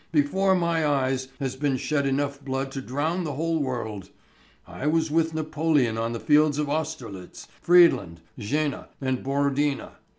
"Before my eyes has been shed enough blood to drown the whole world. I was with Napoleon on the fields of Austerlitz, Friedland, Jena, and Borodina.